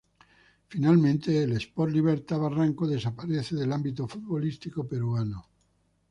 Finalmente, el Sport Libertad Barranco desaparece del ámbito futbolístico peruano.